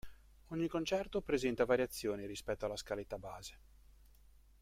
Ogni concerto presenta variazioni rispetto alla scaletta base.